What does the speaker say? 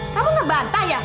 kamu ngebantah ya